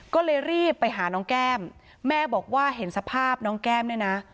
ก็เลยรีบไปหาน้องแก้มแม่บอกว่าเห็นสภาพน้องแก้มเนี่ยนะ